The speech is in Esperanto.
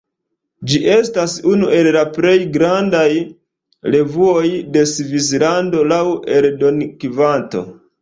Ĝi estas unu el la plej grandaj revuoj de Svislando laŭ eldonkvanto.